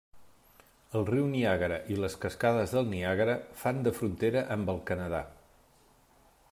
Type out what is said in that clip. El Riu Niàgara i les Cascades del Niàgara fan de frontera amb el Canadà.